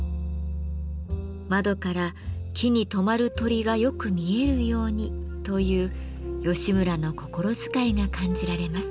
「窓から木に止まる鳥がよく見えるように」という吉村の心遣いが感じられます。